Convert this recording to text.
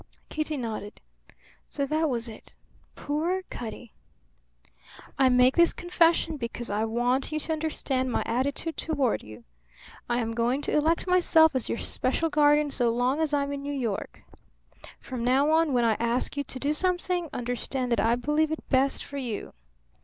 Kitty nodded. So that was it? Poor Cutty! "I make this confession because I want you to understand my attitude toward you. I am going to elect myself as your special guardian so long as I'm in New York. From now on, when I ask you to do something, understand that I believe it best for you.